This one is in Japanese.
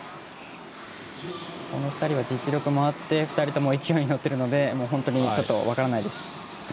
この２人は実力もあって２人とも勢いに乗ってるので本当に分からないです。